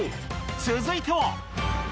続いては。